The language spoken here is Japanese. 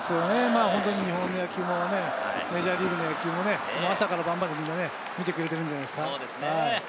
日本の野球もメジャーリーグの人気も、朝から晩まで見てくれているんじゃないですかね。